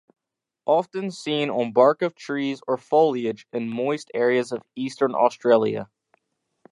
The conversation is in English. Often seen on bark of trees or foliage in moist areas of eastern Australia.